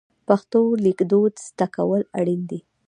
پښتو لیکدود زده کول اړین دي.